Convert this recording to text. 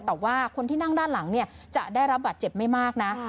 แต่ว่าคนที่นั่งด้านหลังเนี่ยจะได้รับบาดเจ็บไม่มากนะ